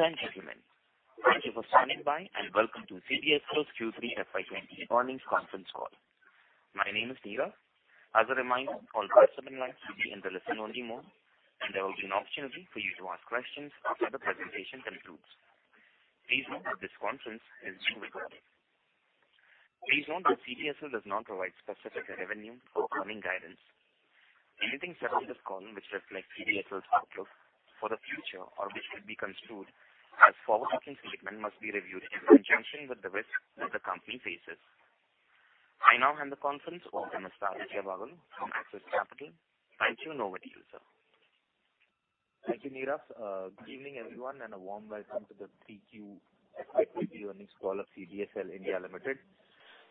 Ladies and gentlemen, thank you for standing by, and welcome to CDSL's Q3 FY 2020 Earnings Conference Call. My name is Neera. As a reminder, all participants' lines will be in the listen only mode, and there will be an opportunity for you to ask questions after the presentation concludes. Please note that this conference is being recorded. Please note that CDSL does not provide specific revenue or earning guidance. Anything said on this call which reflects CDSL's outlook for the future or which could be construed as forward-looking statement must be reviewed in conjunction with the risk that the company faces. I now hand the conference over to Mr. Abhay Bhagwan from Axis Capital. Thank you, and over to you, sir. Thank you, Neera. Good evening, everyone, and a warm welcome to the 3Q FY 2020 earnings call of CDSL India Limited.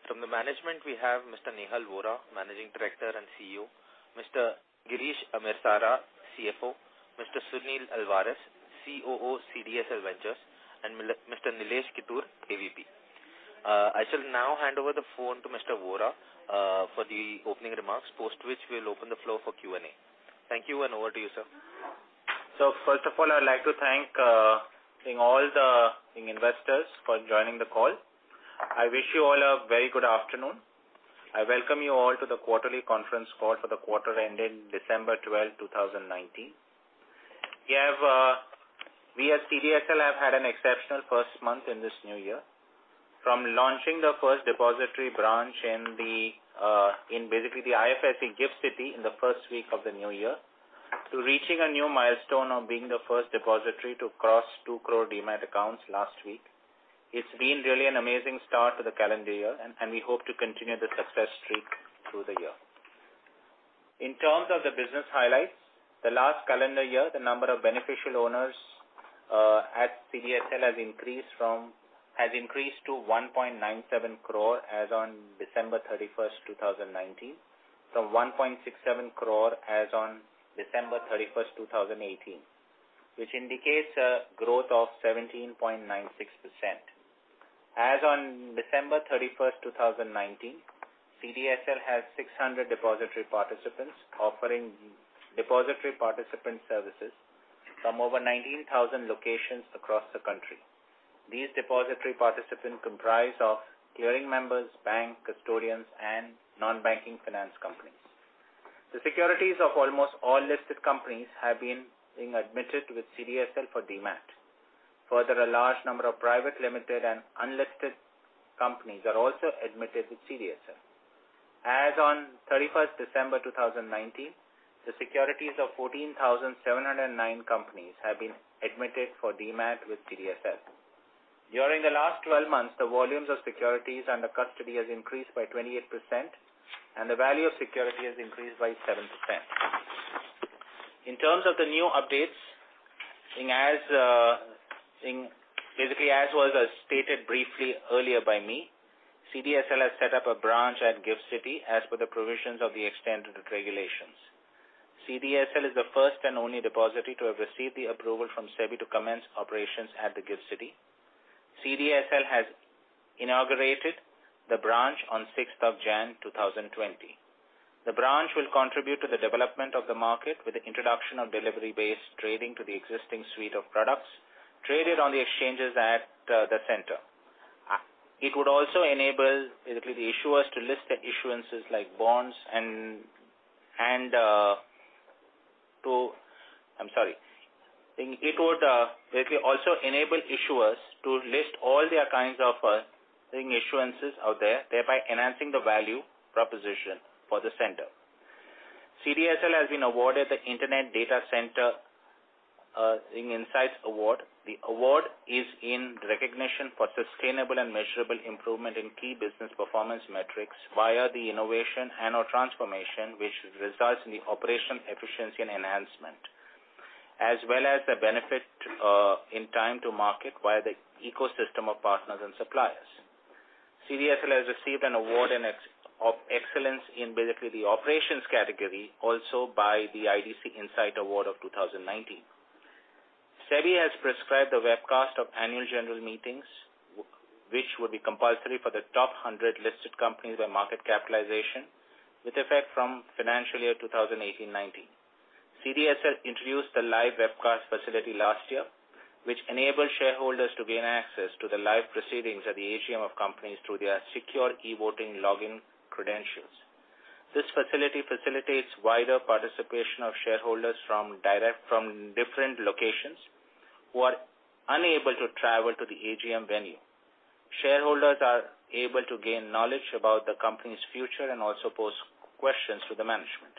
From the management, we have Mr. Nehal Vora, Managing Director and CEO; Mr. Girish Amesara, CFO; Mr. Sunil Alvares, COO, CDSL Ventures; and Mr. Nilesh Kittur, AVP. I shall now hand over the phone to Mr. Vora for the opening remarks, post which we'll open the floor for Q&A. Thank you, and over to you, sir. First of all, I'd like to thank all the investors for joining the call. I wish you all a very good afternoon. I welcome you all to the quarterly conference call for the quarter ending December 12, 2019. We at CDSL have had an exceptional first month in this new year. From launching the first depository branch in the IFSC Gift City in the first week of the new year to reaching a new milestone of being the first depository to cross 2 crore demat accounts last week. It's been really an amazing start to the calendar year, and we hope to continue the success streak through the year. In terms of the business highlights, the last calendar year, the number of beneficial owners at CDSL has increased to 1.97 crore as on December 31st, 2019, from 1.67 crore as on December 31st, 2018, which indicates a growth of 17.96%. As on December 31st, 2019, CDSL has 600 depository participants offering depository participant services from over 19,000 locations across the country. These depository participants comprise of clearing members, bank custodians, and non-banking finance companies. The securities of almost all listed companies have been admitted with CDSL for demat. A large number of private, limited, and unlisted companies are also admitted with CDSL. As on 31st December 2019, the securities of 14,709 companies have been admitted for demat with CDSL. During the last 12 months, the volumes of securities under custody has increased by 28%, and the value of security has increased by 7%. In terms of the new updates, basically, as was stated briefly earlier by me, CDSL has set up a branch at Gift City as per the provisions of the extended regulations. CDSL is the first and only depository to have received the approval from SEBI to commence operations at the Gift City. CDSL has inaugurated the branch on 6th of January 2020. The branch will contribute to the development of the market with the introduction of delivery-based trading to the existing suite of products traded on the exchanges at the center. It would also enable the issuers to list their issuances like bonds and to I'm sorry. It would basically also enable issuers to list all their kinds of thing issuances out there, thereby enhancing the value proposition for the center. CDSL has been awarded the IDC Insights Award. The award is in recognition for sustainable and measurable improvement in key business performance metrics via the innovation and/or transformation, which results in the operation efficiency and enhancement, as well as the benefit in time to market via the ecosystem of partners and suppliers. CDSL has received an award of excellence in basically the operations category also by the IDC Insights Award of 2019. SEBI has prescribed a webcast of annual general meetings, which will be compulsory for the top 100 listed companies by market capitalization with effect from financial year 2018-2019. CDSL introduced the live webcast facility last year, which enabled shareholders to gain access to the live proceedings at the AGM of companies through their secure e-voting login credentials. This facility facilitates wider participation of shareholders from different locations who are unable to travel to the AGM venue. Shareholders are able to gain knowledge about the company's future and also pose questions to the management.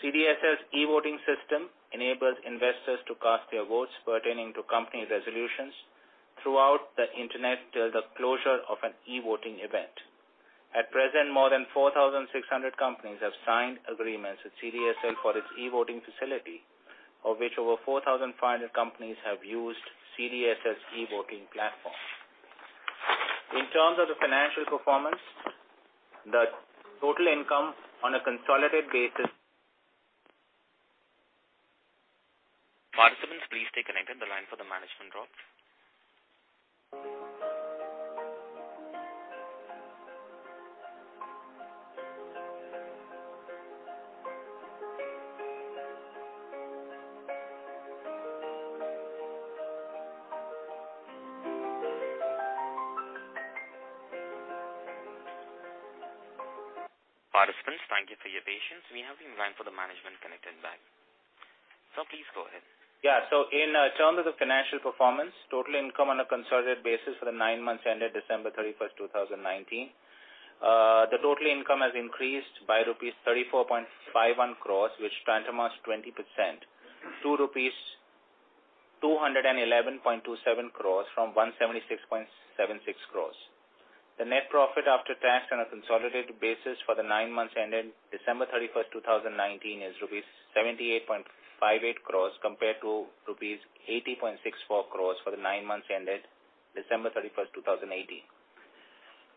CDSL's e-voting system enables investors to cast their votes pertaining to company resolutions throughout the Internet till the closure of an e-voting event. At present, more than 4,600 companies have signed agreements with CDSL for its e-voting facility, of which over 4,500 companies have used CDSL's e-voting platform. In terms of the financial performance, the total income on a consolidated basis- Participants, please stay connected. The line for the management role. Participants, thank you for your patience. We have been lined for the management connected back. Please go ahead. In terms of financial performance, total income on a consolidated basis for the nine months ended December 31st, 2019, the total income has increased by rupees 34.51 crore, which tantamount 20%, to rupees 211.27 crore from 176.76 crore. The net profit after tax on a consolidated basis for the nine months ending December 31st, 2019 is rupees 78.58 crore compared to rupees 80.64 crore for the nine months ended December 31st,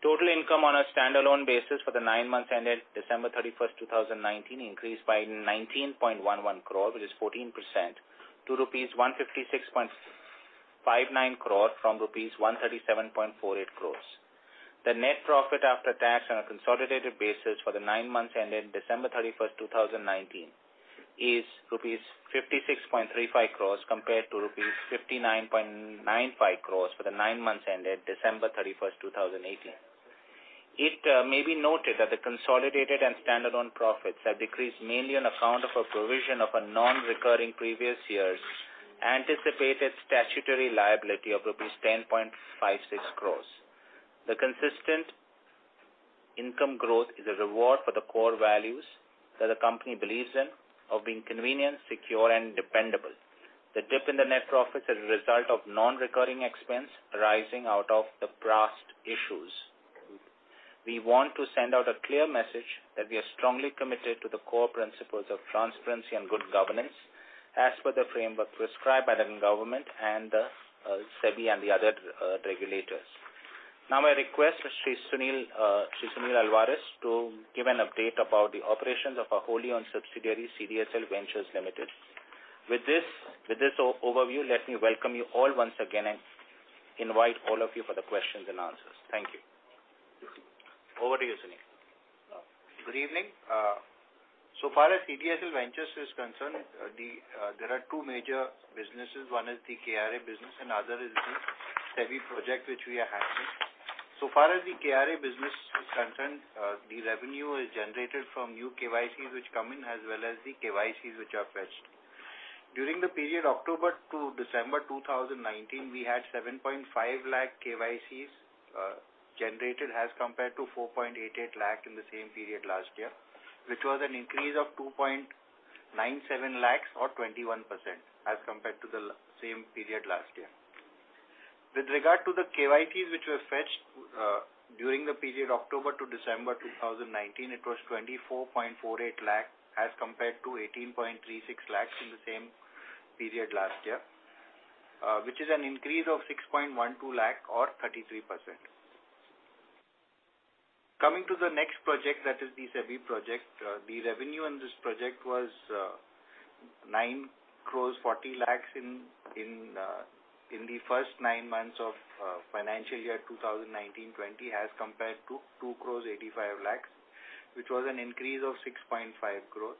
2018. Total income on a standalone basis for the nine months ended December 31st, 2019 increased by 19.11 crore, which is 14%, to rupees 156.59 crore from rupees 137.48 crore. The net profit after tax on a consolidated basis for the nine months ending December 31st, 2019 is rupees 56.35 crore compared to rupees 59.95 crore for the nine months ended December 31st, 2018. It may be noted that the consolidated and standalone profits have decreased mainly on account of a provision of a non-recurring previous year's anticipated statutory liability of rupees 10.56 crores. The consistent income growth is a reward for the core values that the company believes in, of being convenient, secure and dependable. The dip in the net profit is a result of non-recurring expense arising out of the past issues. We want to send out a clear message that we are strongly committed to the core principles of transparency and good governance as per the framework prescribed by the government and the SEBI and the other regulators. Now, I request Mr. Sunil Alvares to give an update about the operations of our wholly owned subsidiary, CDSL Ventures Limited. With this overview, let me welcome you all once again and invite all of you for the questions and answers. Thank you. Over to you, Sunil. Good evening. So far as CDSL Ventures is concerned, there are two major businesses. One is the KRA business and other is the SEBI project which we are having. So far as the KRA business is concerned, the revenue is generated from new KYCs which come in as well as the KYCs which are fetched. During the period October to December 2019, we had 7.5 lakh KYCs generated as compared to 4.88 lakh in the same period last year, which was an increase of 2.97 lakhs or 21% as compared to the same period last year. With regard to the KYCs which were fetched during the period October to December 2019, it was 24.48 lakh as compared to 18.36 lakhs in the same period last year, which is an increase of 6.12 lakh or 33%. Coming to the next project, that is the SEBI project. The revenue on this project was 9.40 crores in the first nine months of financial year 2019/20 as compared to 2.85 crores, which was an increase of 6.5 crores.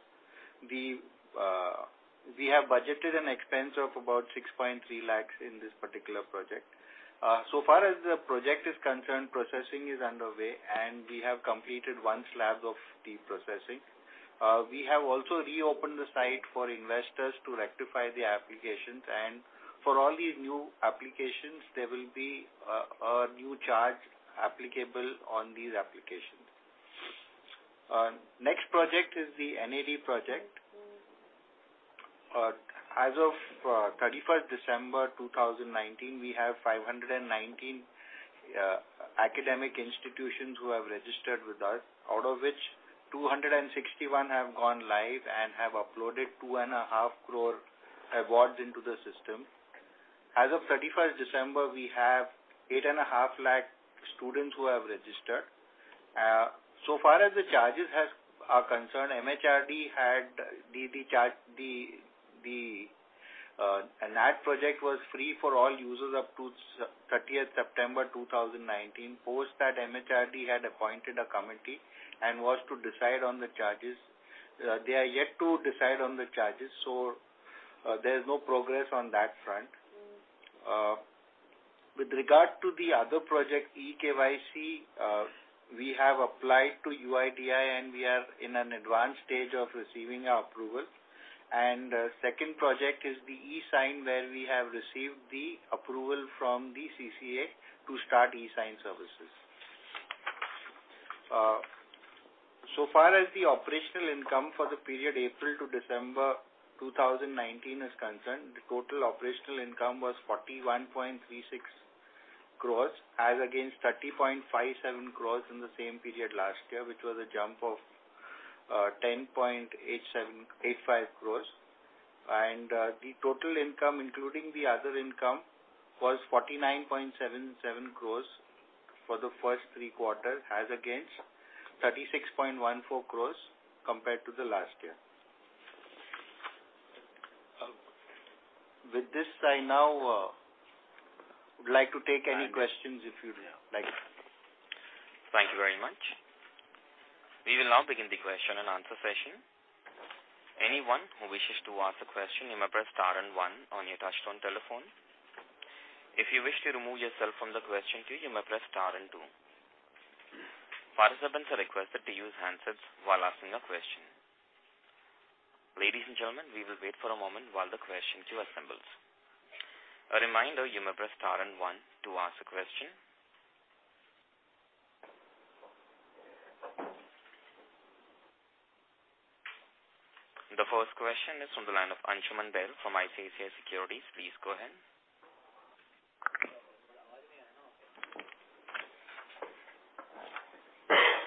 We have budgeted an expense of about 6.3 lakhs in this particular project. Far as the project is concerned, processing is underway and we have completed one slab of deep processing. We have also reopened the site for investors to rectify their applications and for all the new applications, there will be a new charge applicable on these applications. Next project is the NAD project. As of 31st December 2019, we have 519 academic institutions who have registered with us. Out of which, 261 have gone live and have uploaded 2.5 crore awards into the system. As of 31st December, we have 8.5 lakh students who have registered. Far as the charges are concerned, MHRD NAD project was free for all users up to 30th September 2019. Post that, MHRD had appointed a committee and was to decide on the charges. They are yet to decide on the charges, there's no progress on that front. With regard to the other project, e-KYC, we have applied to UIDAI and we are in an advanced stage of receiving our approval. Second project is the e-Sign where we have received the approval from the CCA to start e-Sign services. Far as the operational income for the period April to December 2019 is concerned, the total operational income was 41.36 crores as against 30.57 crores in the same period last year, which was a jump of 10.85 crores. The total income, including the other income, was 49.77 crore for the first three quarters as against 36.14 crore compared to the last year. With this, I now would like to take any questions if you'd like. Thank you very much. We will now begin the question and answer session. Anyone who wishes to ask a question, you may press star and one on your touchtone telephone. If you wish to remove yourself from the question queue, you may press star and two. Participants are requested to use handsets while asking a question. Ladies and gentlemen, we will wait for a moment while the question queue assembles. A reminder, you may press star and one to ask a question. The first question is on the line of Anshuman Dal from ICICI Securities. Please go ahead.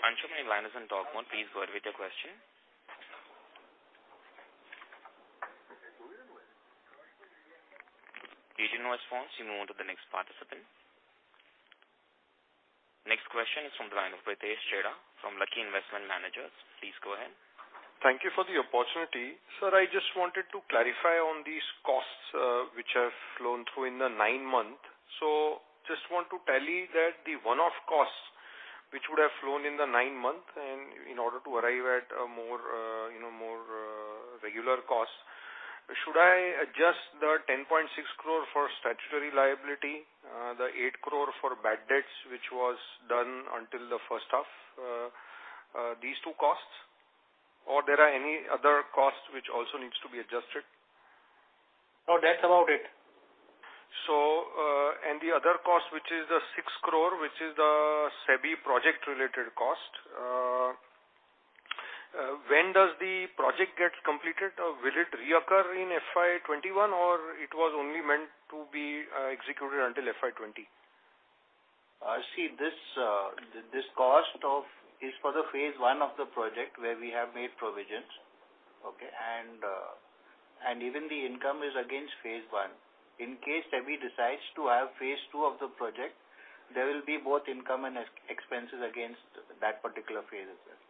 Anshuman, your line is on talk mode. Please go ahead with your question. Due to no response, we move to the next participant. Next question is from the line of Pritesh Chheda from Lucky Investment Managers. Please go ahead. Thank you for the opportunity. Sir, I just wanted to clarify on these costs which have flown through in the nine month. Just want to tally that the one-off costs which would have flown in the nine month in order to arrive at a more regular cost. Should I adjust the 10.6 crore for statutory liability, the 8 crore for bad debts, which was done until the first half, these two costs? Or there are any other costs which also needs to be adjusted? No, that's about it. The other cost, which is the 6 crore, which is the SEBI project-related cost. When does the project get completed, or will it reoccur in FY 2021, or it was only meant to be executed until FY 2020? See, this cost is for the phase 1 of the project where we have made provisions. Okay. Even the income is against phase 1. In case SEBI decides to have phase 2 of the project, there will be both income and expenses against that particular phase as well.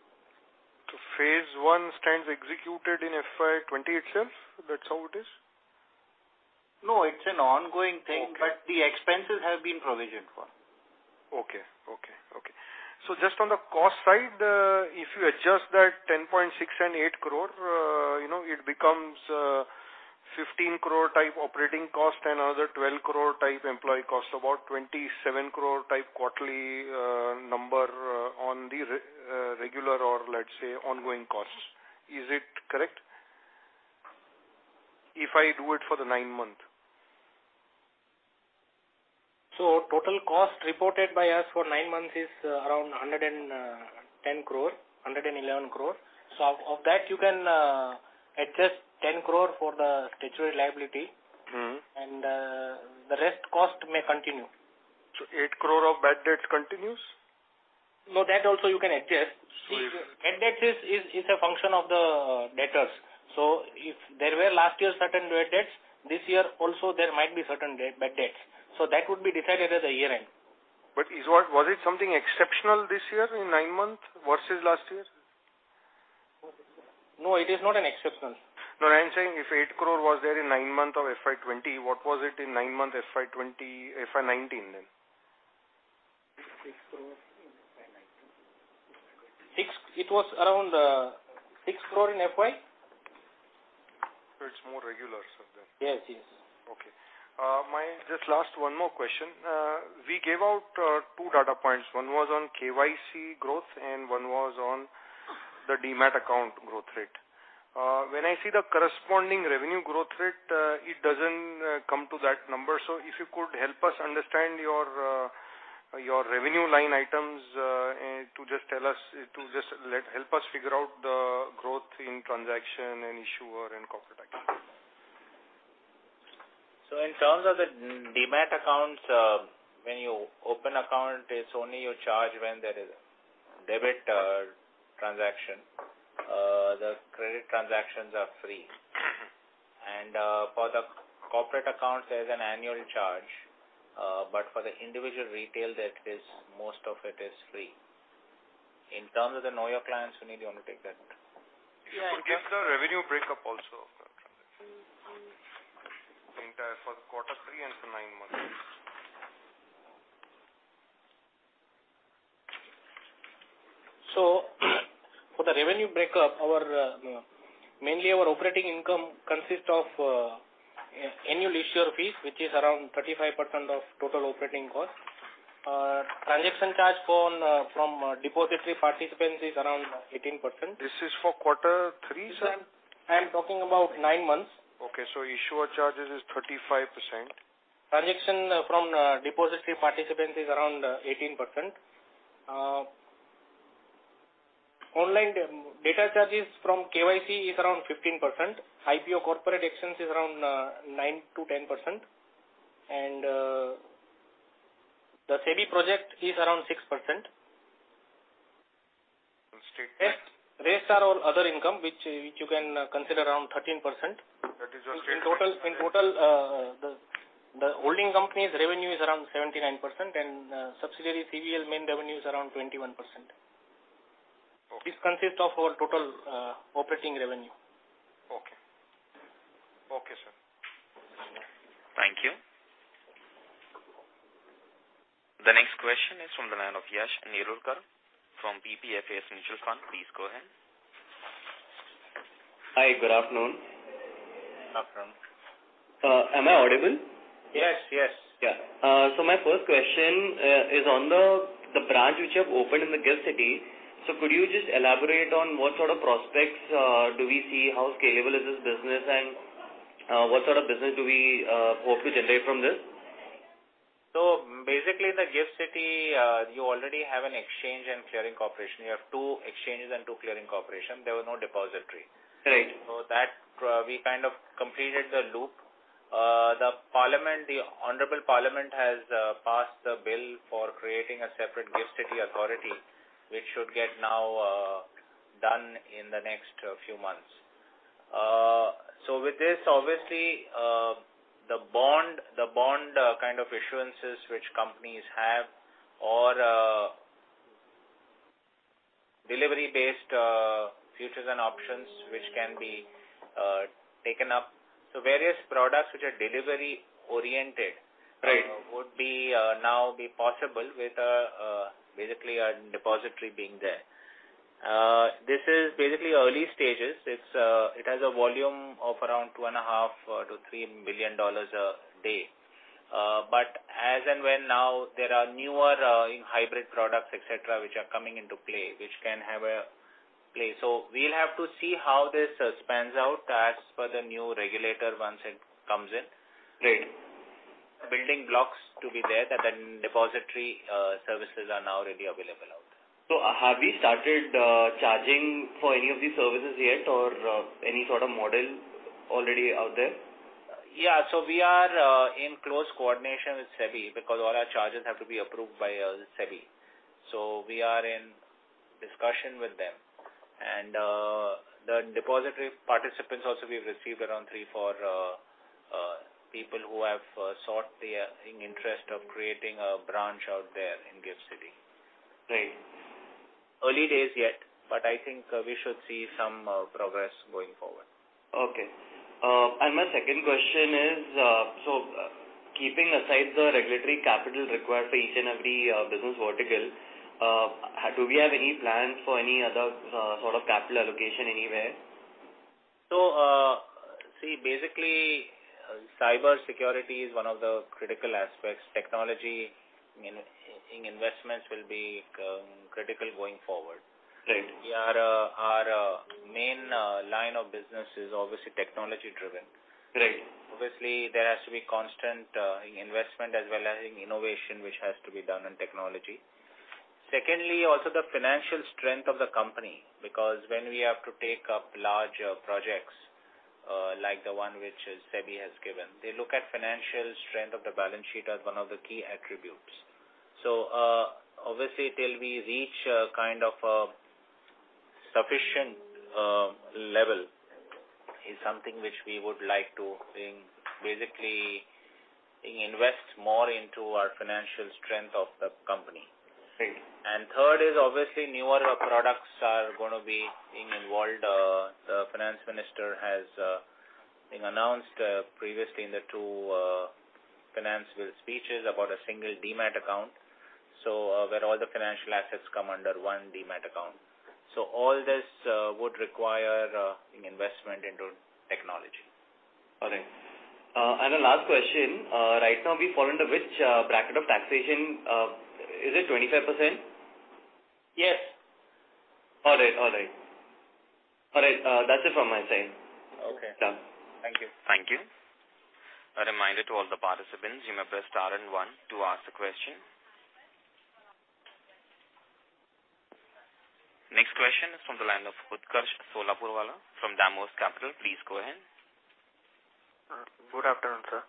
Phase one stands executed in FY 2020 itself. That's how it is? No, it's an ongoing thing. Okay The expenses have been provisioned for. Okay. Just on the cost side, if you adjust that 10.6 and 8 crore, it becomes 15 crore type operating cost and another 12 crore type employee cost, about 27 crore type quarterly number on the regular or let's say, ongoing costs. Is it correct? If I do it for the nine month. Total cost reported by us for nine months is around 110 crore, 111 crore. Of that you can adjust 10 crore for the statutory liability. The rest cost may continue. eight crore of bad debt continues? No, that also you can adjust. Sorry. Bad debt is a function of the debtors. If there were last year certain bad debts, this year also there might be certain bad debts. That would be decided at the year-end. Was it something exceptional this year in nine months versus last year? No, it is not an exception. No, I'm saying if 8 crore was there in nine month of FY 2020, what was it in nine month FY 2019 then? INR 6 crore in FY 2019. It was around 6 crore in FY. It's more regular, sort of then. Yes. Okay. Just last one more question. We gave out two data points. One was on KYC growth and one was on the Demat account growth rate. When I see the corresponding revenue growth rate, it doesn't come to that number. If you could help us understand your revenue line items, to just help us figure out the growth in transaction and issuer and corporate action. In terms of the demat accounts, when you open account, it's only you charge when there is debit transaction. The credit transactions are free. For the corporate account, there's an annual charge. For the individual retail, most of it is free. In terms of the KYC, Suneet, you want to take that? I guess the revenue break-up also of that transaction. The entire first quarter three and for nine months. For the revenue break-up, mainly our operating income consists of annual issuer fees, which is around 35% of total operating income. Transaction charge from depository participants is around 18%. This is for quarter three, sir? I'm talking about nine months. Okay. Issuer charges is 35%. Transaction from depository participants is around 18%. Online data charges from KYC is around 15%. IPO corporate issuance is around 9%-10%. The SEBI project is around 6%. Rest? Rest are all other income which you can consider around 13%. That is your straight- In total, the holding company's revenue is around 79%, and subsidiary CVL main revenue is around 21%. This consists of our total operating revenue. Okay. Okay, sir. Thank you. The next question is from the line of Yash Nirulkar from PPFAS Mutual Fund. Please go ahead. Hi. Good afternoon. Good afternoon. Am I audible? Yes. Yeah. My first question is on the branch which you have opened in the GIFT City. Could you just elaborate on what sort of prospects do we see, how scalable is this business, and what sort of business do we hope to generate from this? Basically, in the GIFT City, you already have an exchange and clearing corporation. You have two exchanges and two clearing corporation. There was no depository. Right. That we kind of completed the loop. The honorable parliament has passed the bill for creating a separate Gift City authority, which should get now done in the next few months. With this, obviously, the bond kind of issuances which companies have or delivery-based futures and options, which can be taken up. Various products which are delivery oriented. Right would now be possible with basically a depository being there. This is basically early stages. It has a volume of around two and a half to three million dollars a day. As and when now there are newer hybrid products, et cetera, which are coming into play, which can have a play. We'll have to see how this spans out as per the new regulator once it comes in. Right. Building blocks to be there that then depository services are now readily available out there. Have we started charging for any of these services yet or any sort of model already out there? Yeah. We are in close coordination with SEBI because all our charges have to be approved by SEBI. We are in discussion with them. The depository participants also we've received around three, four people who have sought their interest of creating a branch out there in Gift City. Right. Early days yet, I think we should see some progress going forward. Okay. My second question is, keeping aside the regulatory capital required for each and every business vertical, do we have any plans for any other sort of capital allocation anywhere? See, basically, cybersecurity is one of the critical aspects. Technology investments will be critical going forward. Right. Our main line of business is obviously technology-driven. Right. Obviously, there has to be constant investment as well as innovation, which has to be done in technology. Secondly, also the financial strength of the company, because when we have to take up larger projects like the one which SEBI has given, they look at financial strength of the balance sheet as one of the key attributes. Obviously, till we reach a kind of sufficient level is something which we would like to basically invest more into our financial strength of the company. Right. Third is obviously newer products are going to be involved. The finance minister has announced previously in the two financial speeches about a single demat account, so where all the financial assets come under one demat account. All this would require investment into technology. All right. The last question. Right now, we fall under which bracket of taxation? Is it 25%? Yes. All right. That's it from my side. Okay. Done. Thank you. Thank you. A reminder to all the participants, you may press star and one to ask the question. Next question is from the line of Utkarsh Solapurwala from Damose Capital. Please go ahead. Good afternoon, sir.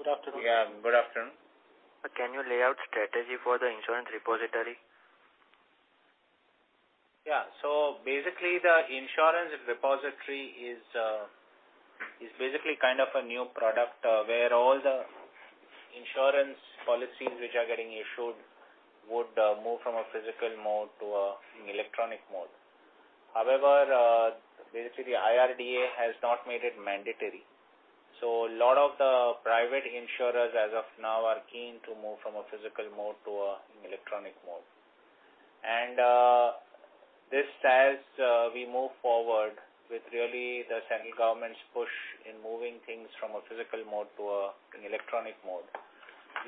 Good afternoon. Yeah, good afternoon. Sir, can you lay out strategy for the insurance repository? Yeah. Basically, the insurance repository is basically kind of a new product where all the insurance policies which are getting issued would move from a physical mode to an electronic mode. However, basically IRDA has not made it mandatory. A lot of the private insurers as of now are keen to move from a physical mode to an electronic mode. This as we move forward with really the central government's push in moving things from a physical mode to an electronic mode.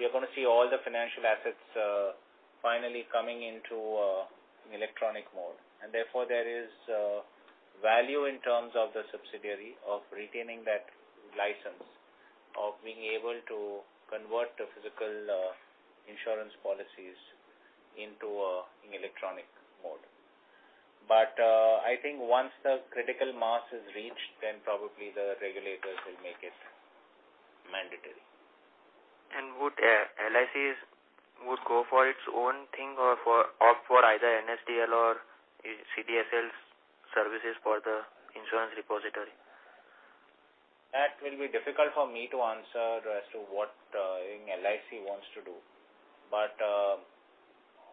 We are going to see all the financial assets finally coming into an electronic mode. Therefore, there is value in terms of the subsidiary of retaining that license of being able to convert the physical insurance policies into an electronic mode. I think once the critical mass is reached, then probably the regulators will make it mandatory. Would LICs go for its own thing or opt for either NSDL or CDSL's services for the insurance repository? That will be difficult for me to answer as to what LIC wants to do.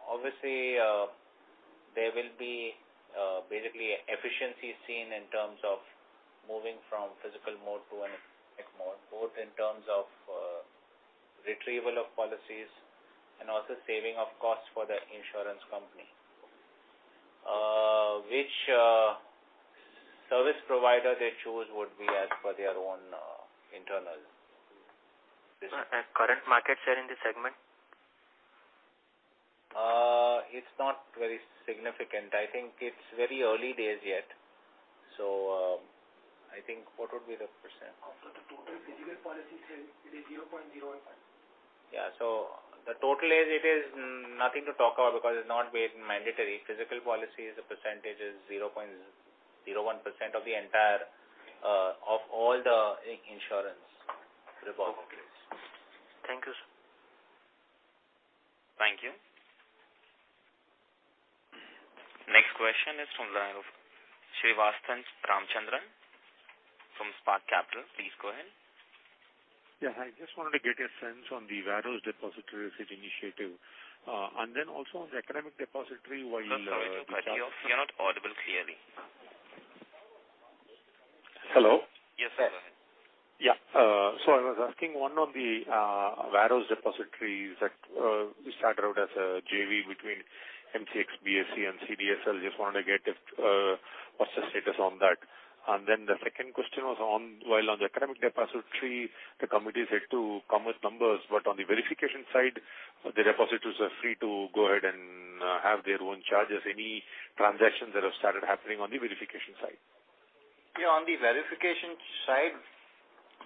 Obviously, there will be basically efficiency seen in terms of moving from physical mode to an electronic mode, both in terms of retrieval of policies and also saving of costs for the insurance company. Which service provider they choose would be as per their own internal decision. Current market share in this segment? It's not very significant. I think it's very early days yet. I think what would be the %? Of the total physical policies, it is 0.01%. Yeah. The total is nothing to talk about because it's not made mandatory. Physical policies, the percentage is 0.01% of all the insurance deposits. Thank you, sir. Thank you. Next question is from the line of Srivathsan Ramachandran from Spark Capital. Please go ahead. I just wanted to get a sense on the warehouse depository receipt initiative, and then also on the academic depository. Sir, sorry to cut you off. You're not audible clearly. Hello? Yes, sir. Go ahead. I was asking one on the warehouse depositories that started out as a JV between MCX-BSE and CDSL. Just wanted to get what's the status on that. The second question was on, while on the economic depository, the committee said to come with numbers, but on the verification side, the depositors are free to go ahead and have their own charges. Any transactions that have started happening on the verification side? Yeah, on the verification side,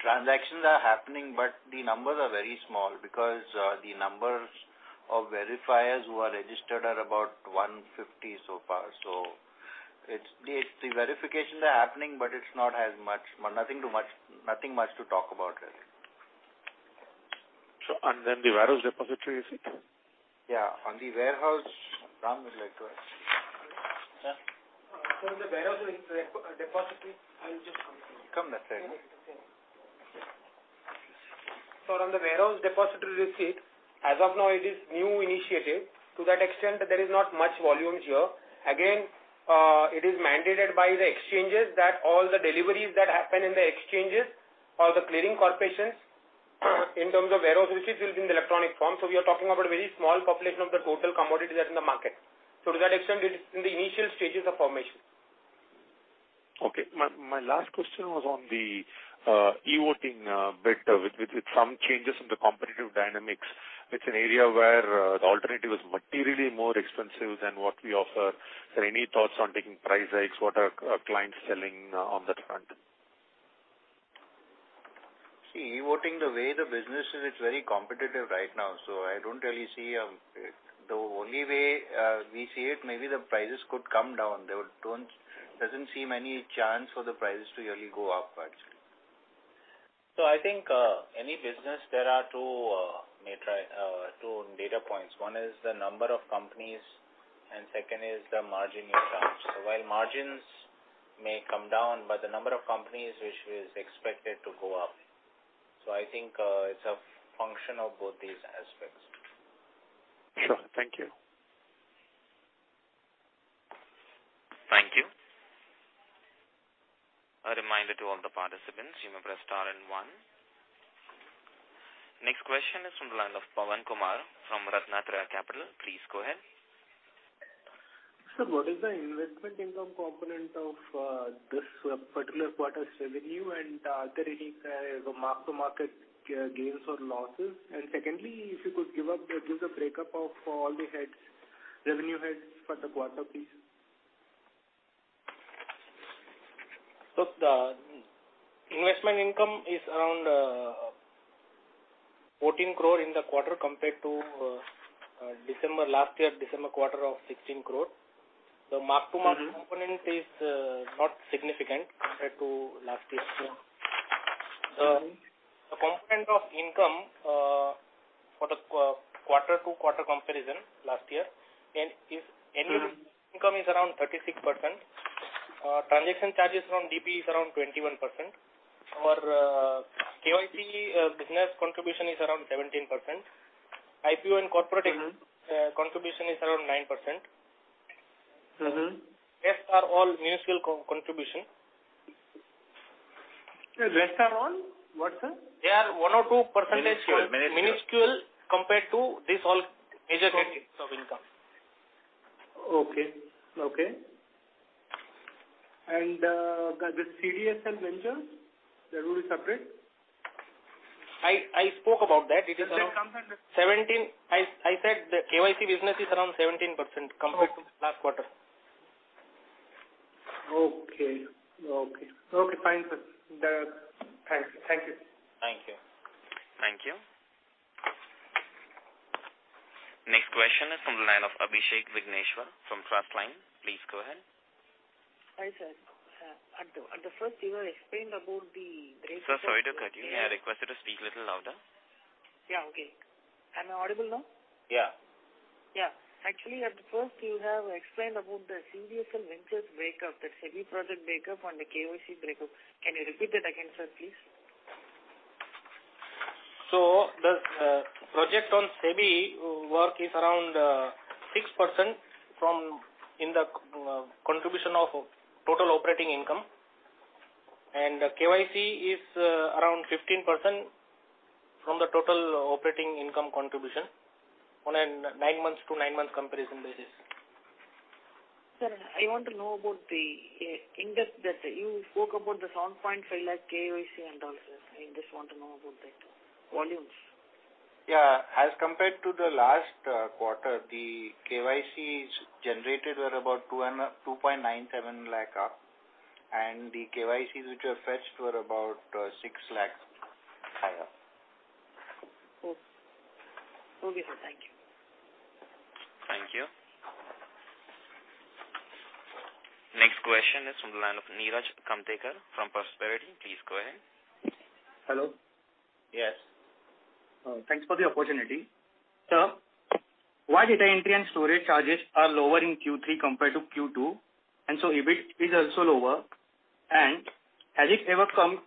transactions are happening, but the numbers are very small because the numbers of verifiers who are registered are about 150 so far. The verifications are happening, but it's nothing much to talk about really. The warehouse depository receipt? Yeah. On the warehouse, Ram would like to answer. Sir. On the warehouse depository, I will just come. Come that side. On the warehouse depository receipt, as of now, it is new initiative. To that extent, there is not much volumes here. Again, it is mandated by the exchanges that all the deliveries that happen in the exchanges or the clearing corporations in terms of warehouse receipts will be in the electronic form. We are talking about a very small population of the total commodity that is in the market. To that extent, it is in the initial stages of formation. Okay. My last question was on the e-voting bit with some changes in the competitive dynamics. It's an area where the alternative is materially more expensive than what we offer. Any thoughts on taking price hikes? What are clients telling on that front? E-voting, the way the business is, it's very competitive right now. I don't really see. The only way we see it, maybe the prices could come down. Doesn't seem any chance for the prices to really go up, actually. I think any business there are two data points. One is the number of companies, and second is the margin you charge. While margins may come down, but the number of companies which is expected to go up. I think it's a function of both these aspects. Sure. Thank you. Thank you. A reminder to all the participants, you may press star and one. Next question is from the line of Pawan Kumar from Ratnatraya Capital. Please go ahead. Sir, what is the investment income component of this particular quarter's revenue, and are there any mark-to-market gains or losses? Secondly, if you could give the breakup of all the revenue heads for the quarter, please. Look, the investment income is around 14 crore in the quarter compared to last year December quarter of 16 crore. The mark-to-market component is not significant compared to last year. Yeah. The component of income for the quarter-over-quarter comparison last year is annual income is around 36%. Transaction charges from DP is around 21%. Our KYC business contribution is around 17%. IPO and corporate contribution is around 9%. Rest are all minuscule contribution. Rest are all, what, sir? They are one or two %. Miniscule compared to these all major headings of income. Okay. The CDSL venture, that will be separate? I spoke about that. Just say it comes. I said the KYC business is around 17% compared to last quarter. Okay. Fine, sir. Thank you. Thank you. Thank you. Next question is from the line of Abhishek Vigneshwar from Trustline. Please go ahead. Hi, sir. First you explained about. Sir, sorry to cut you. I request you to speak little louder. Yeah. Okay. Am I audible now? Yeah. Yeah. Actually, at first you have explained about the CDSL Ventures breakup, the SEBI project breakup and the KYC breakup. Can you repeat it again, sir, please? The project on SEBI work is around 6% in the contribution of total operating income, and KYC is around 15% from the total operating income contribution on a nine months to nine months comparison basis. Sir, I want to know about the index that you spoke about the 7.5 lakh KYC and all. Sir, I just want to know about that. Volumes. As compared to the last quarter, the KYCs generated were about 2.97 lakh up, and the KYCs which were fetched were about six lakh higher. Okay. Okay, sir. Thank you. Thank you. Next question is from the line of Neeraj Kamtekar from Prosperity. Please go ahead. Hello. Yes. Thanks for the opportunity. Sir, why data entry and storage charges are lower in Q3 compared to Q2, EBIT is also lower. Has it ever come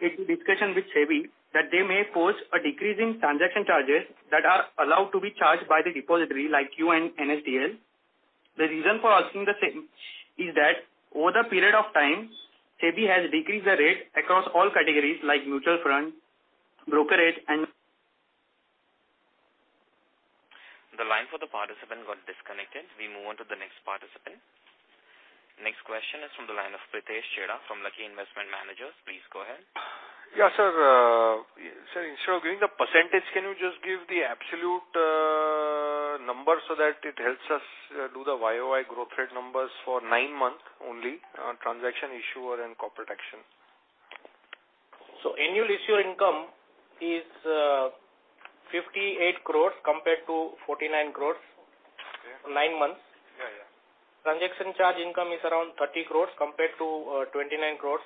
into discussion with SEBI that they may pose a decrease in transaction charges that are allowed to be charged by the depository like you and NSDL? The reason for asking the same is that over the period of time, SEBI has decreased the rate across all categories like mutual funds, brokerage and The line for the participant got disconnected. We move on to the next participant. Next question is from the line of Pritesh Chheda from Lucky Investment Managers. Please go ahead. Yeah, sir. Sir, instead of giving the percentage, can you just give the absolute numbers so that it helps us do the YOY growth rate numbers for nine months only on transaction issuer and corporate action? Annual issuer income is 58 crores compared to 49 crores. Okay. Nine months. Yeah. Transaction charge income is around 30 crore compared to 29 crore.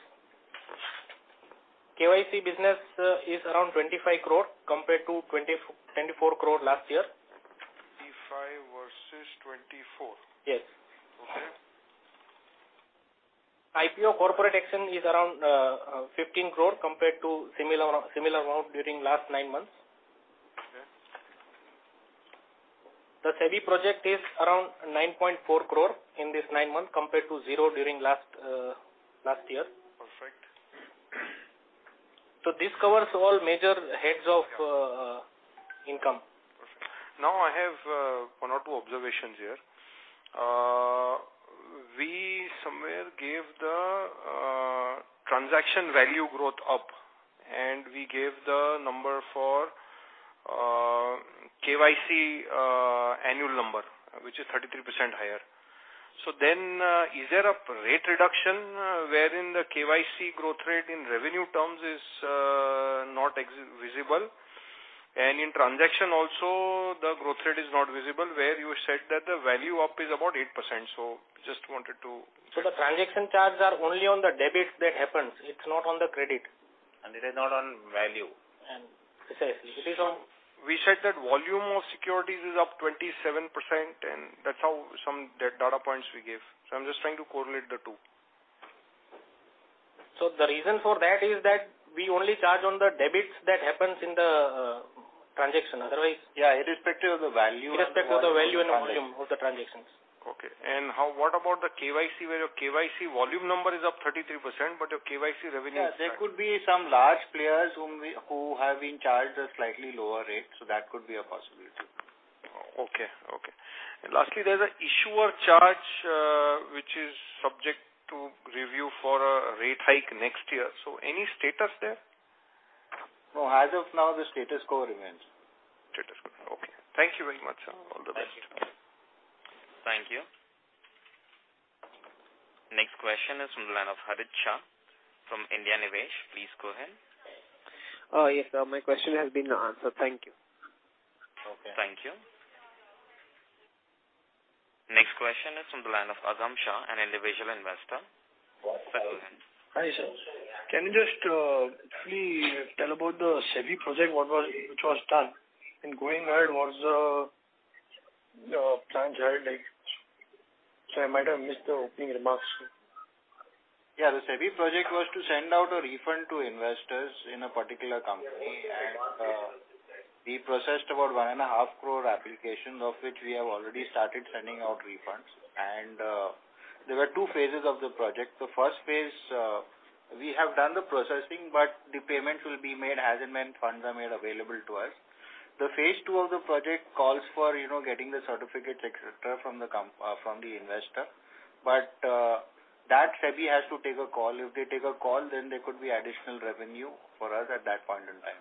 KYC business is around 25 crore compared to 24 crore last year. 25 versus 24. Yes. Okay. IPO corporate action is around 15 crore compared to similar amount during last nine months. Okay. The SEBI project is around 9.4 crore in this nine months compared to zero during last year. Perfect. This covers all major heads of income. Perfect. I have one or two observations here. We somewhere gave the transaction value growth up, and we gave the number for KYC annual number, which is 33% higher. Is there a rate reduction wherein the KYC growth rate in revenue terms is not visible? In transaction also, the growth rate is not visible where you said that the value up is about 8%. The transaction charges are only on the debit that happens. It's not on the credit. It is not on value. Precisely. It is We said that volume of securities is up 27%, and that's how some data points we gave. I'm just trying to correlate the two. The reason for that is that we only charge on the debits that happens in the transaction. Yeah, irrespective of the value. Irrespective of the value and volume of the transactions. Okay. What about the KYC, where your KYC volume number is up 33%, but your KYC revenue is-? Yeah, there could be some large players who have been charged a slightly lower rate, so that could be a possibility. Okay. Lastly, there's a issuer charge, which is subject to review for a rate hike next year. Any status there? No. As of now, the status quo remains. Status quo. Okay. Thank you very much, sir. All the best. Thank you. Thank you. Next question is from the line of Harit Shah from India Invest. Please go ahead. Yes, sir. My question has been answered. Thank you. Okay. Thank you. Next question is from the line of Agam Shah, an individual investor. Hi, sir. Can you just briefly tell about the SEBI project which was done, and going ahead, what is the plan ahead like? Sir, I might have missed the opening remarks. Yeah, the SEBI project was to send out a refund to investors in a particular company. We processed about 1.5 crore applications, of which we have already started sending out refunds. There were two phases of the project. The first phase, we have done the processing, but the payments will be made as and when funds are made available to us. The phase 2 of the project calls for getting the certificates, et cetera, from the investor. That SEBI has to take a call. If they take a call, then there could be additional revenue for us at that point in time.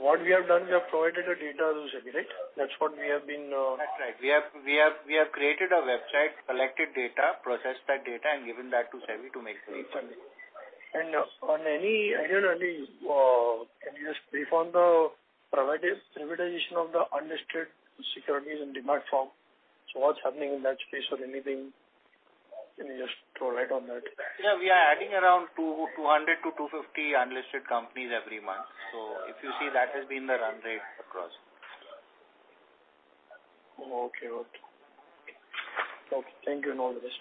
What we have done, we have provided the data to SEBI, right? That's right. We have created a website, collected data, processed that data, and given that to SEBI to make refunds. On any idea, can you just brief on the privatization of the unlisted securities and demat form? What's happening in that space or anything? Can you just throw light on that? Yeah, we are adding around 200-250 unlisted companies every month. If you see that has been the run rate across. Okay. Thank you and all the best.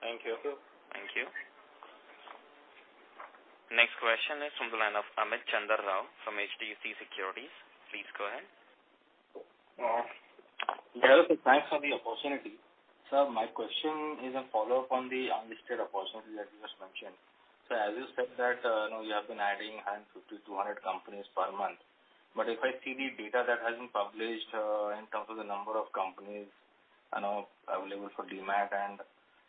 Thank you. Thank you. Next question is from the line of Amit Chandra from HDFC Securities. Please go ahead. Hello, sir. Thanks for the opportunity. Sir, my question is a follow-up on the unlisted opportunity that you just mentioned. As you said that you have been adding 150, 200 companies per month. If I see the data that has been published in terms of the number of companies available for demat, and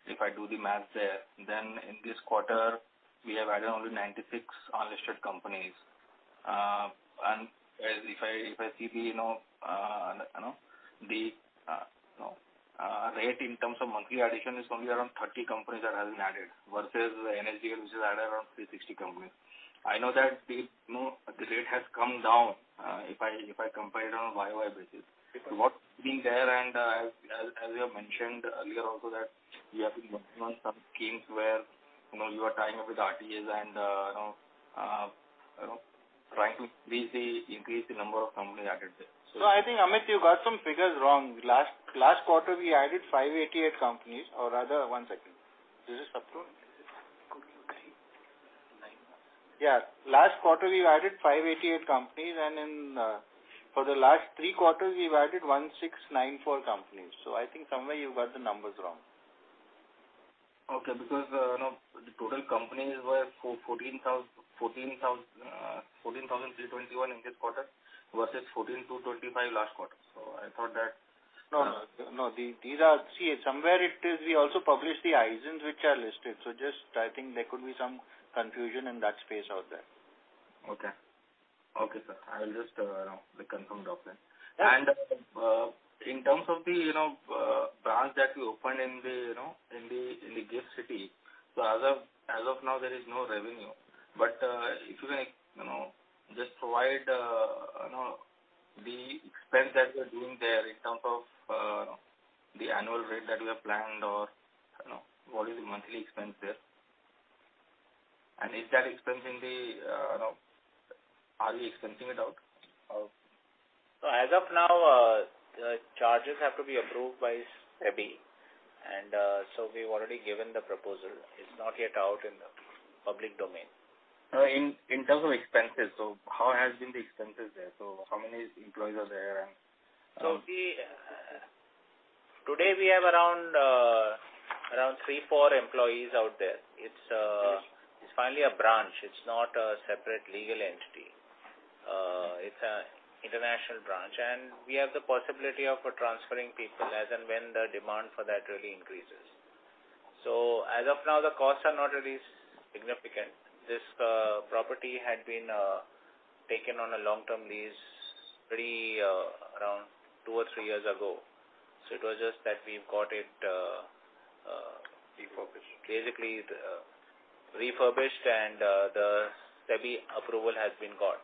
if I do the math there, then in this quarter, we have added only 96 unlisted companies. If I see the rate in terms of monthly addition is only around 30 companies that have been added versus NSDL, which has added around 360 companies. I know that the rate has come down if I compare it on a YOY basis. What's been there, and as you have mentioned earlier also that you have been working on some schemes where you are tying up with RTA and trying to increase the number of companies added there. No, I think, Amit, you got some figures wrong. Last quarter, we added 588 companies or rather, one second. Is this up to? Could you write nine? Yeah. Last quarter we added 588 companies, and for the last three quarters we've added 1,694 companies. I think somewhere you got the numbers wrong. Okay. The total companies were 14,321 in this quarter versus 14,225 last quarter. No. See, somewhere it is we also publish the ISINs which are listed. Just I think there could be some confusion in that space out there. Okay. Okay, sir. I will just reconfirm the offer. Yeah. In terms of the branch that you opened in the Gift City. As of now, there is no revenue. If you can just provide the expense that you're doing there in terms of the annual rate that you have planned or what is the monthly expense there. Are we expensing it out? As of now, the charges have to be approved by SEBI. We've already given the proposal. It's not yet out in the public domain. In terms of expenses, how has been the expenses there? how many employees are there and- Today we have around three, four employees out there. It's finally a branch. It's not a separate legal entity. It's an international branch, and we have the possibility of transferring people as and when the demand for that really increases. As of now, the costs are not really significant. This property had been taken on a long-term lease around two or three years ago. It was just that we've got it. Refurbished Basically refurbished and the SEBI approval has been got.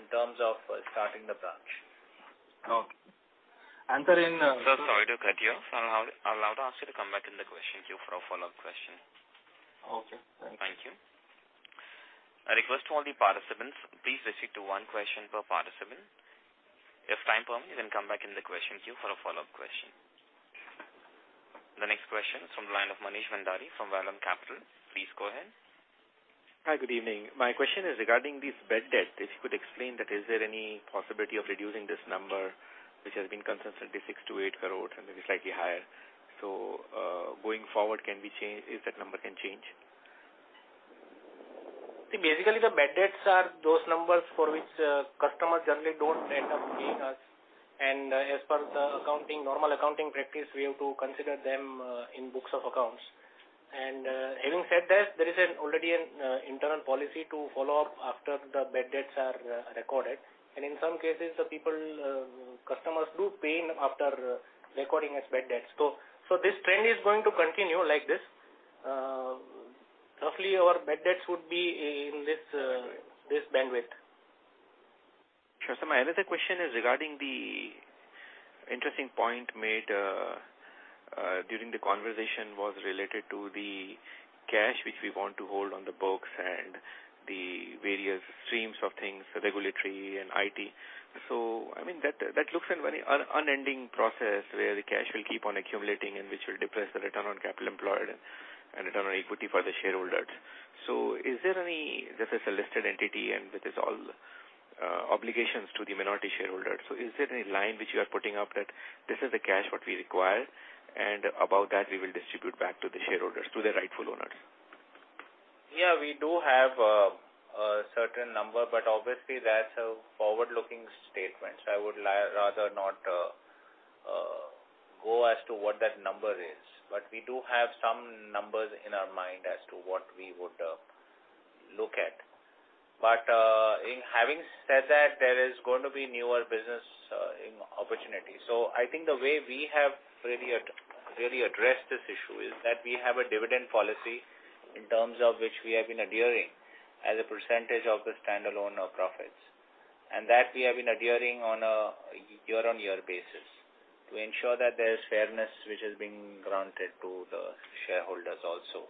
In terms of starting the branch. Okay. Sir, sorry to cut you. I'll have to ask you to come back in the question queue for a follow-up question. Okay. Thank you. Thank you. A request to all the participants, please restrict to one question per participant. If time permits, you can come back in the question queue for a follow-up question. The next question is from the line of Manish Bhandari from Vallum capital. Please go ahead. Hi, good evening. My question is regarding this bad debt. If you could explain that is there any possibility of reducing this number, which has been consistently 6 crore-8 crore and maybe slightly higher. Going forward if that number can change. See, basically the bad debts are those numbers for which customers generally don't end up paying us. As per the normal accounting practice, we have to consider them in books of accounts. Having said that, there is already an internal policy to follow up after the bad debts are recorded. In some cases, the customers do pay after recording as bad debts. This trend is going to continue like this. Roughly our bad debts would be in this bandwidth. Sure, sir. My another question is regarding the interesting point made during the conversation was related to the cash which we want to hold on the books and the various streams of things, the regulatory and IT. I mean, that looks an unending process where the cash will keep on accumulating and which will depress the return on capital employed and return on equity for the shareholders. This is a listed entity and with its all obligations to the minority shareholders. Is there any line which you are putting up that this is the cash what we require, and above that we will distribute back to the shareholders, to the rightful owners? Yeah, we do have a certain number, but obviously that's a forward-looking statement. I would rather not go as to what that number is. We do have some numbers in our mind as to what we would look at. Having said that, there is going to be newer business opportunities. I think the way we have really addressed this issue is that we have a dividend policy in terms of which we have been adhering as a percentage of the standalone profits. That we have been adhering on a year-on-year basis to ensure that there is fairness, which is being granted to the shareholders also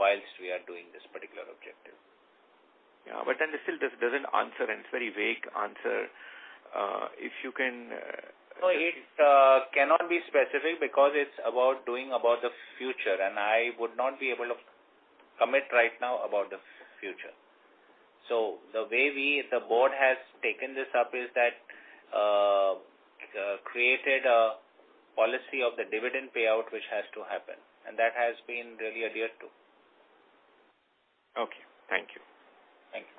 whilst we are doing this particular objective. Yeah. It still doesn't answer and it's very vague answer. If you can- No, it cannot be specific because it's about doing about the future, and I would not be able to commit right now about the future. The way we, the board, has taken this up is that created a policy of the dividend payout, which has to happen, and that has been really adhered to. Okay. Thank you. Thank you.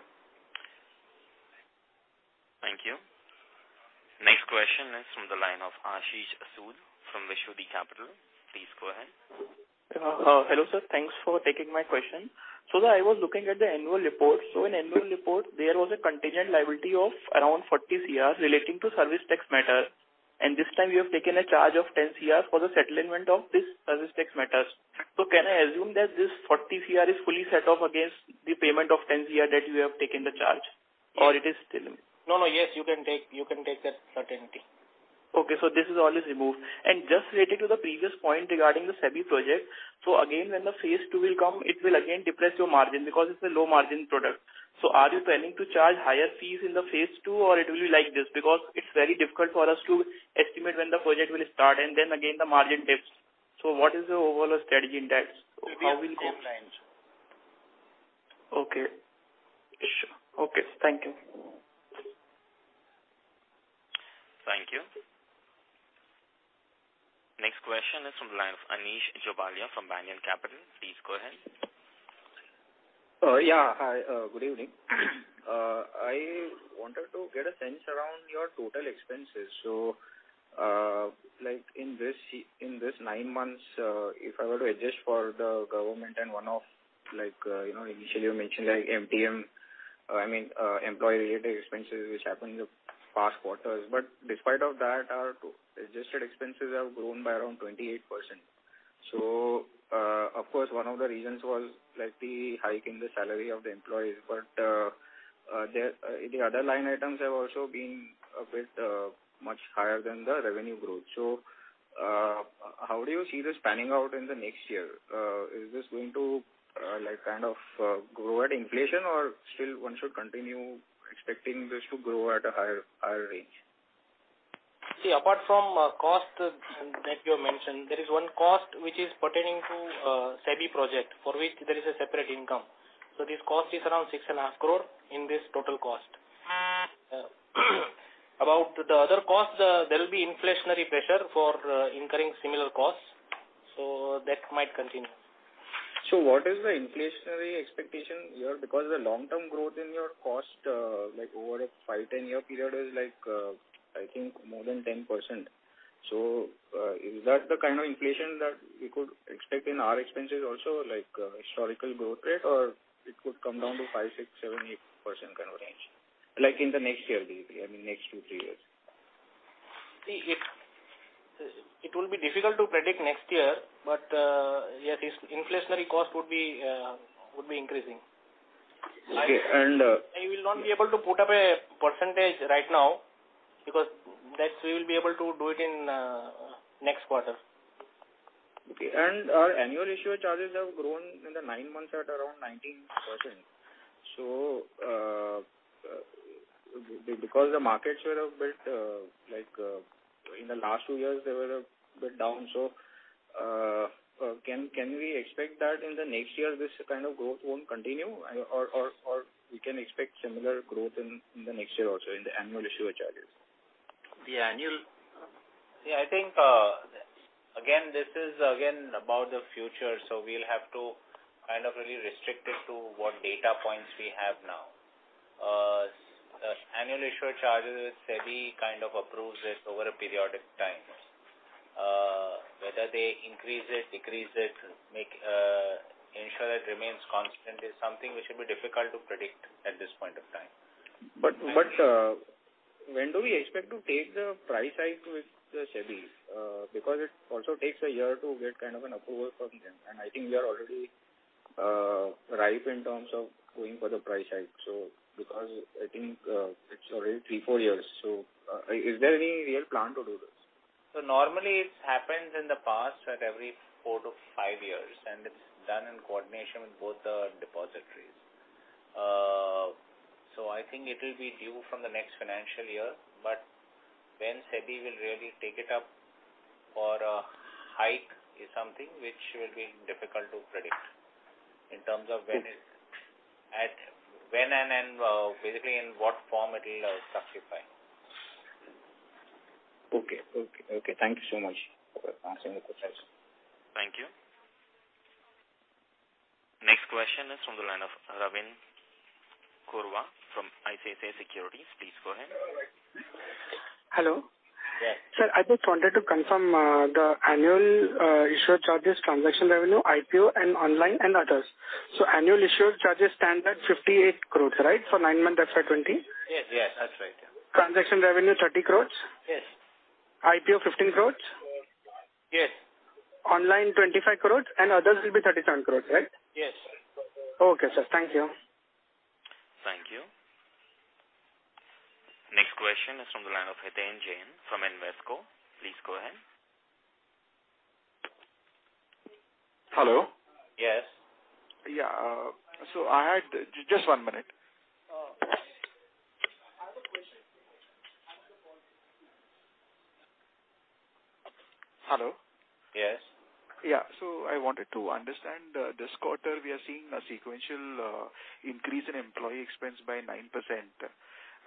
Thank you. Next question is from the line of Ashish Asood from Vishuti Capital. Please go ahead. Hello, sir. Thanks for taking my question. I was looking at the annual report. In annual report, there was a contingent liability of around 40 CR relating to service tax matter. This time you have taken a charge of 10 CR for the settlement of this service tax matters. Can I assume that this 40 CR is fully set off against the payment of 10 CR that you have taken the charge? Or it is still- No, yes, you can take that certainty. Okay, this is all is removed. Just related to the previous point regarding the SEBI project. Again, when the phase 2 will come, it will again depress your margin because it's a low margin product. Are you planning to charge higher fees in the phase 2 or it will be like this? It's very difficult for us to estimate when the project will start and then again the margin dips. What is the overall strategy in that? It will be compliance. Okay. Sure. Okay. Thank you. Thank you. Next question is from the line of Anish Jobalia from Banyan Capital. Please go ahead. Yeah. Hi. Good evening. I wanted to get a sense around your total expenses. In this nine months, if I were to adjust for the government and one-off, initially you mentioned like MTM, I mean, employee-related expenses, which happened in the past quarters. Despite of that, our adjusted expenses have grown by around 28%. Of course, one of the reasons was the hike in the salary of the employees, but the other line items have also been a bit much higher than the revenue growth. How do you see this panning out in the next year? Is this going to grow at inflation or still one should continue expecting this to grow at a higher range? Apart from cost that you have mentioned, there is one cost which is pertaining to SEBI project, for which there is a separate income. This cost is around 6.5 crore in this total cost. About the other cost, there will be inflationary pressure for incurring similar costs. That might continue. What is the inflationary expectation here, because the long-term growth in your cost, like over a five, 10-year period is, I think more than 10%. Is that the kind of inflation that we could expect in our expenses also, like historical growth rate, or it could come down to 5%, 6%, 7%, 8% kind of range, like in the next year, maybe, I mean, next two, three years. See, it will be difficult to predict next year, but, yeah, this inflationary cost would be increasing. Okay. I will not be able to put up a percentage right now because that we will be able to do it in next quarter. Okay. Our annual issuer charges have grown in the nine months at around 19%. Because the markets were a bit, like in the last few years, they were a bit down. Can we expect that in the next year, this kind of growth won't continue or we can expect similar growth in the next year also in the annual issuer charges? Yeah, I think, again, this is about the future, so we'll have to really restrict it to what data points we have now. Annual issuer charges, SEBI kind of approves this over a periodic times. Whether they increase it, decrease it, ensure it remains constant, is something which will be difficult to predict at this point of time. When do we expect to take the price hike with the SEBI? It also takes a year to get kind of an approval from them. I think we are already ripe in terms of going for the price hike. I think it's already three, four years. Is there any real plan to do this? Normally it's happened in the past at every four to five years, and it's done in coordination with both the depositories. I think it will be due from the next financial year, but when SEBI will really take it up for a hike is something which will be difficult to predict in terms of when and basically in what form it will specify. Okay. Thank you so much for answering the questions. Thank you. Next question is from the line of Ravin Kurva from ICICI Securities. Please go ahead. Hello. Yes. Sir, I just wanted to confirm the annual issuer charges, transaction revenue, IPO, and online, and others. Annual issuer charges stand at 58 crores, right? For nine-month FY 2020. Yes. That's right. Transaction revenue, 30 crores? Yes. IPO, 15 crores? Yes. Online 25 crores and others will be 37 crores, right? Yes. Okay, sir. Thank you. Thank you. Next question is from the line of Hiten Jain from Invesco. Please go ahead. Hello. Yes. Just one minute. Hello. Yes. I wanted to understand, this quarter we are seeing a sequential increase in employee expense by 9%. Since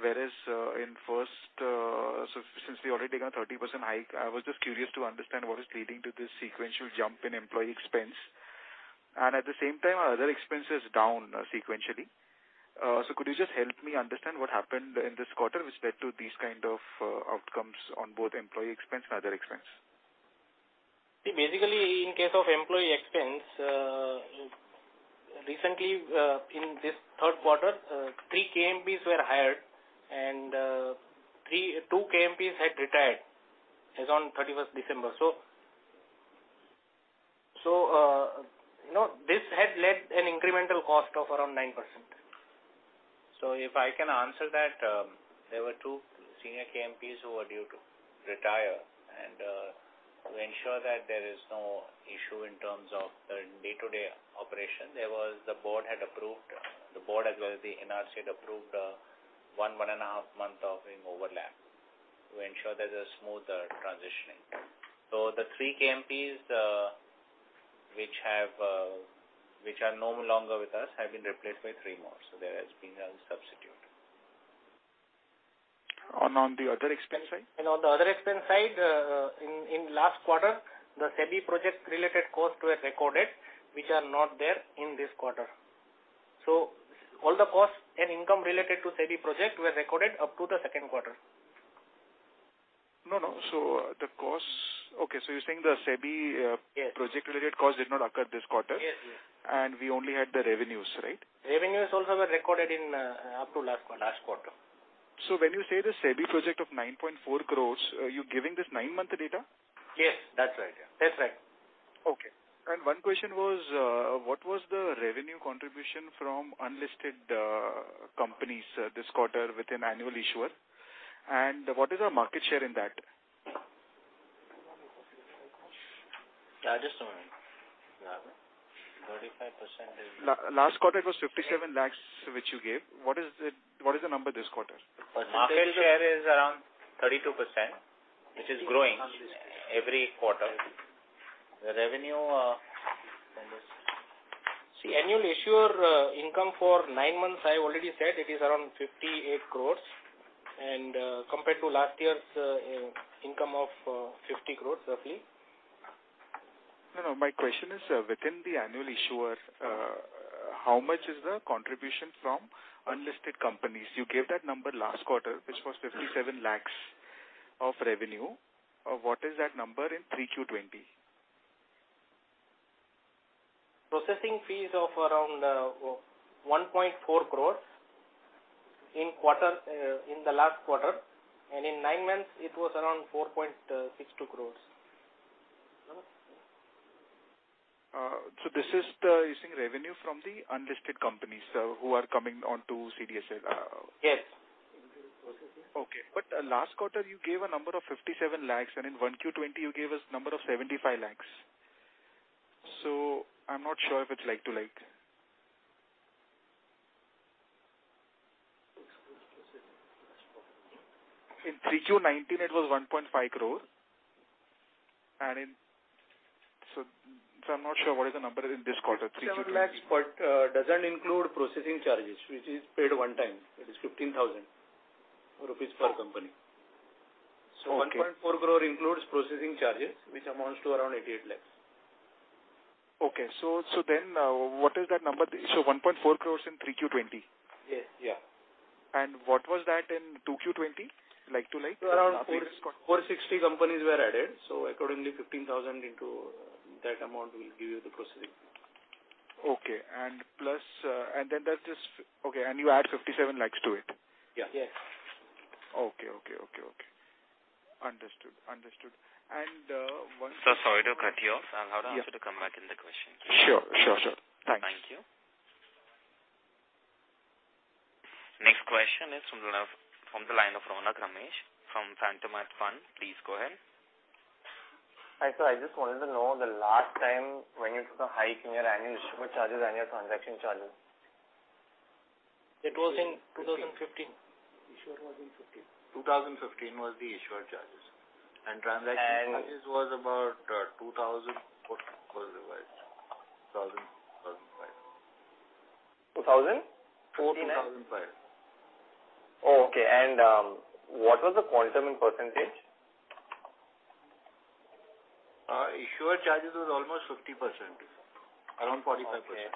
we already took a 30% hike, I was just curious to understand what is leading to this sequential jump in employee expense. At the same time, our other expense is down sequentially. Could you just help me understand what happened in this quarter which led to these kind of outcomes on both employee expense and other expense? In case of employee expense, recently in this third quarter, three KMPs were hired and two KMPs had retired as on 31st December. This had led an incremental cost of around 9%. If I can answer that, there were two senior KMPs who were due to retire. To ensure that there is no issue in terms of day-to-day operation, the board, as well as the NRC, had approved one and a half months of overlap to ensure there's a smooth transitioning. The three KMPs which are no longer with us have been replaced by three more. There has been a substitute. On the other expense side? On the other expense side, in last quarter, the SEBI project related costs were recorded, which are not there in this quarter. All the costs and income related to SEBI project were recorded up to the second quarter. No. you're saying the SEBI? Yes Project related costs did not occur this quarter. Yes. We only had the revenues, right? Revenues also were recorded up to last quarter. When you say the SEBI project of 9.4 crores, are you giving this nine-month data? Yes, that's right. Okay. One question was, what was the revenue contribution from unlisted companies this quarter with an annual issuer? What is our market share in that? Just a minute. We have a 35% revenue. Last quarter, it was 57 lakhs, which you gave. What is the number this quarter? Market share is around 32%, which is growing every quarter. The revenue. See, annual issuer income for nine months, I already said it is around 58 crores and compared to last year's income of 50 crores roughly. My question is within the annual issuer, how much is the contribution from unlisted companies? You gave that number last quarter, which was 57 lakhs of revenue. What is that number in 3Q20? Processing fees of around 1.4 crore in the last quarter, and in nine months it was around 4.62 crore. This is the, you're saying, revenue from the unlisted companies who are coming onto CDSL? Yes. Processing. Okay. Last quarter you gave a number of 57 lakhs, and in 1Q 2020 you gave us number of 75 lakhs. I'm not sure if it's like to like. In 3Q 2019, it was 1.5 crore. I'm not sure what is the number in this quarter, 3Q 2020. 7 lakhs, but doesn't include processing charges, which is paid one time. It is 15,000 rupees per company. Okay. 1.4 crore includes processing charges, which amounts to around 88 lakhs. Okay. What is that number? 1.4 crores in 3Q20. Yes. What was that in 2Q 2020, like to like? Around 460 companies were added. Accordingly 15,000 into that amount will give you the processing. Okay. You add 57 lakhs to it? Yes. Yes. Okay. Understood. Sir, sorry to cut you off. I'll have to ask you to come back in the question queue. Sure. Thanks. Thank you. Next question is from the line of Ronak Ramesh from Phantom Hand Fund. Please go ahead. Hi, sir. I just wanted to know the last time when you took a hike in your annual issuer charges and your transaction charges? It was in 2015. Issuer was in 2015. 2015 was the issuer charges. Transaction charges was about 2000 was revised, 2000, 2005. 2000? 2015? 2005. Oh, okay. What was the quantum in percentage? Issuer charges was almost 50%. Around 45%. Okay.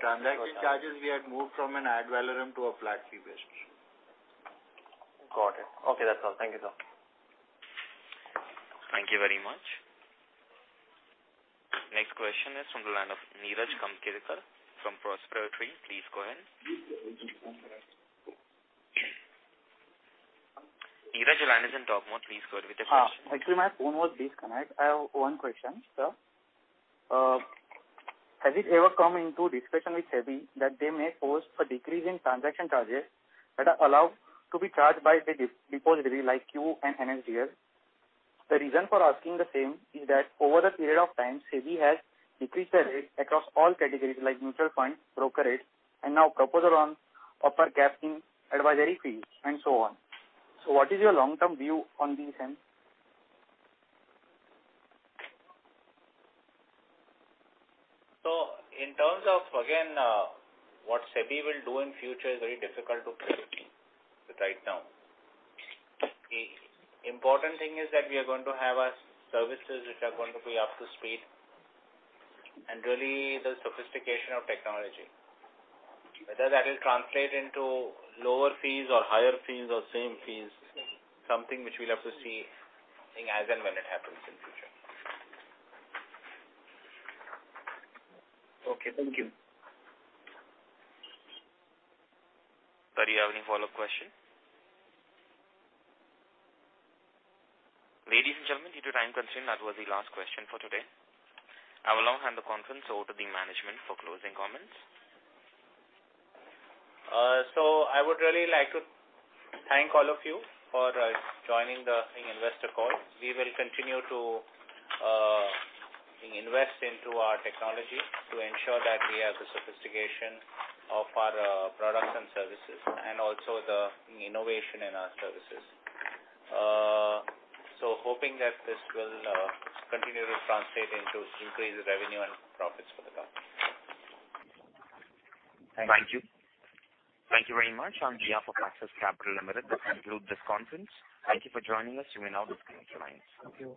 Transaction charges, we had moved from an ad valorem to a flat fee basis. Got it. Okay, that's all. Thank you, sir. Thank you very much. Next question is from the line of Neeraj Kamtekar from Prosperity. Please go ahead. Neeraj, your line is in talk mode. Please go ahead with the question. Actually, my phone was disconnected. I have one question, sir. Has it ever come into discussion with SEBI that they may pose a decrease in transaction charges that are allowed to be charged by the depository like CDSL and NSDL? The reason for asking the same is that over a period of time, SEBI has decreased the rate across all categories like mutual funds, brokerages, and now proposal on upper capping advisory fees and so on. What is your long-term view on the same? In terms of, again, what SEBI will do in future is very difficult to predict right now. The important thing is that we are going to have our services, which are going to be up to speed, and really the sophistication of technology. Whether that will translate into lower fees or higher fees or same fees, something which we will have to see as and when it happens in future. Okay. Thank you. Sir, do you have any follow-up question? Ladies and gentlemen, due to time constraint, that was the last question for today. I will now hand the conference over to the management for closing comments. I would really like to thank all of you for joining the investor call. We will continue to invest into our technology to ensure that we have the sophistication of our products and services and also the innovation in our services. Hoping that this will continue to translate into increased revenue and profits for the company. Thank you. Thank you. Thank you very much. On behalf of Axis Capital Limited, this concludes this conference. Thank you for joining us. You may now disconnect your lines. Thank you.